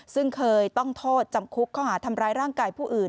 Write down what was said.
ซึ่งเคยต้องโทษจำคุกข้อหาทำร้ายร่างกายผู้อื่น